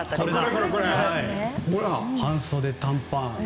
半袖、短パン。